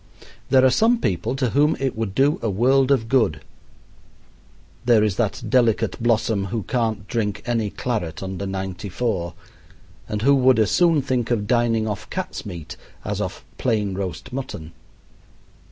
There are some people to whom it would do a world of good. There is that delicate blossom who can't drink any claret under ninety four, and who would as soon think of dining off cat's meat as off plain roast mutton.